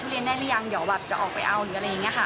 เรียนได้หรือยังเดี๋ยวแบบจะออกไปเอาหรืออะไรอย่างนี้ค่ะ